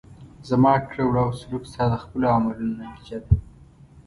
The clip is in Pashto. زما کړه وړه او سلوک ستا د خپلو عملونو نتیجه ده.